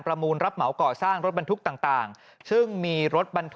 ปี๖๕วันเกิดปี๖๔ไปร่วมงานเช่นเดียวกัน